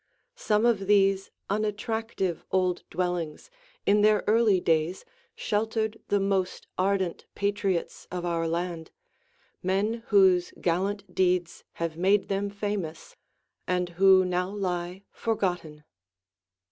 Some of these unattractive old dwellings in their early days sheltered the most ardent patriots of our land, men whose gallant deeds have made them famous, and who now lie forgotten.